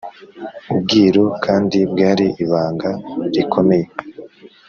ubwiru kandi bwari ibanga rikomeye